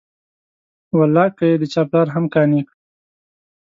والله که یې د چا پلار هم قانع کړي.